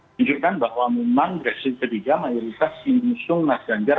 menunjukkan bahwa memang presiden ketiga mayoritas mengusung mas ganjar